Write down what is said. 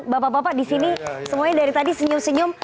bapak bapak disini semuanya dari tadi senyum senyum